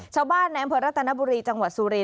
ชาวบ้านแนะเผินรัฐนบุรีจังหวัดสุรี